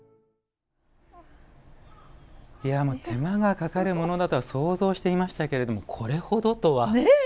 手間がかかるものだとは想像していましたけどこれほどとは。